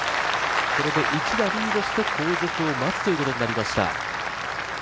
これで１打リードして後続を待つということになりました。